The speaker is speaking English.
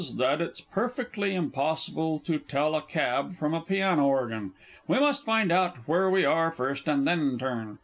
that it's perfectly impossible to tell a cab from a piano organ. We must find out where we are first, and then turn.